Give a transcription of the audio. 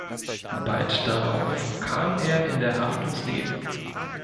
Bald darauf kam er in der Haft ums Leben.